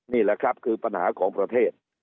นี่แหละครับคือปัญหาของประเทศ